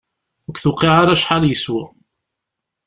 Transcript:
Ur k-tewqiε ara acḥal yeswa!